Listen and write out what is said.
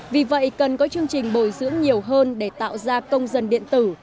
vì vậy cần có chương trình bồi dưỡng nhiều hơn để tạo ra công dân điện tử